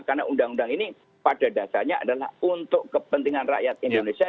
karena undang undang ini pada dasarnya adalah untuk kepentingan rakyat indonesia